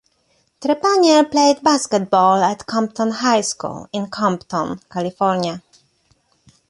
Trepagnier played basketball at Compton High School, in Compton, California.